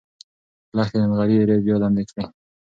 لښتې د نغري ایرې بیا لندې کړې.